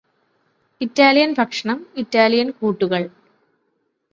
Italian ഭക്ഷണം Italian കൂട്ടുകൾ